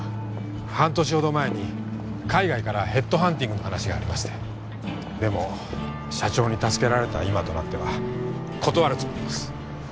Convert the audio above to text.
半年ほど前に海外からヘッドハンティングの話がありましてでも社長に助けられた今となっては断るつもりです